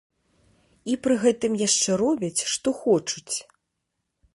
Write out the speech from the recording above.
І пры гэтым яшчэ робяць, што хочуць.